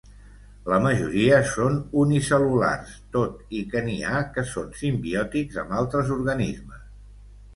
La majoria són unicel·lulars, tot i que n'hi ha que són simbiòtics amb altres organismes.